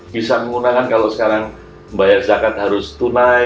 bisa menggunakan kalau sekarang membayar zakat harus tunai